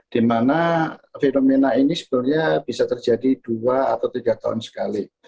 di mana fenomena ini sebenarnya bisa terjadi dua atau tiga tahun sekali